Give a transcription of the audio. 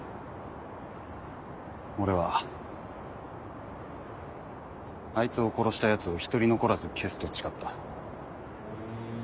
俺はあいつを殺したヤツを１人残らず消すと誓った。